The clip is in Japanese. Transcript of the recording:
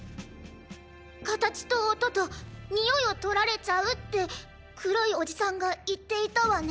かたちとおととにおいをとられちゃうってくろいおじさんがいっていたわね。